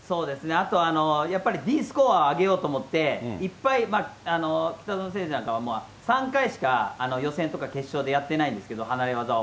あと、やっぱりＤスコアを上げようと思って、いっぱい、北園選手なんかは３回しか予選とか決勝でやってないんですけど、離れ技を。